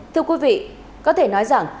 thưa quý vị có thể nói rằng